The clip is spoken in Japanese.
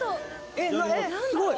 えっすごい。